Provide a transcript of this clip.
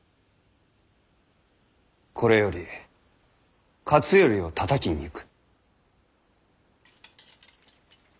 これより勝頼をたたきに行く。